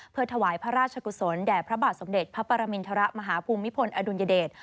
เพื่อถวายพระราชกุศลแด่พระบาทสมเด็จพระปรมินทรมาฮภูมิพลอดุลยเดช